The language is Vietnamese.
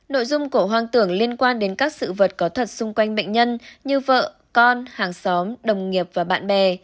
nội dung cổ hoang tưởng liên quan đến các sự vật có thật xung quanh bệnh nhân như vợ con hàng xóm đồng nghiệp và bạn bè